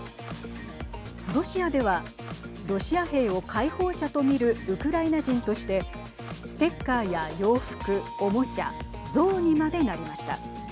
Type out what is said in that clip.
ロシアではロシア兵を解放者と見るウクライナ人としてステッカーや洋服おもちゃ、像にまでなりました。